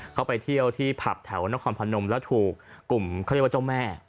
เขาไปเที่ยวที่ผับแถวนครพนมแล้วถูกกลุ่มเขาเรียกว่าเจ้าแม่